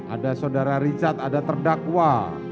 ada saudara richard ada terdakwa